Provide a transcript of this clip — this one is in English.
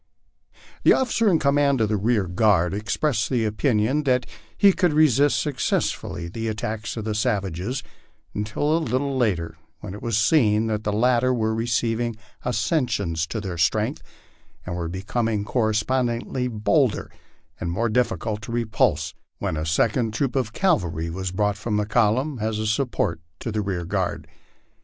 The officer in command of trie rear guard expressed the opinion that he could resist successfully the attacks of the savages until a little later, when it was seen that the latter were receiving accessions to their strength and were becoming correspondingly bolder and more difficult to repulse, when a second troop of cavalry was brought from the column, as a support to the rear guard.